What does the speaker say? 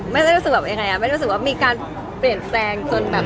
ไม่ได้รู้สึกว่ามีการเปลี่ยนแฟนจน